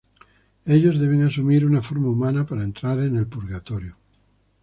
Ellos deben asumir una forma humana para entrar en el purgatorio.